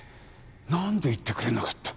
何で言ってくれなかった？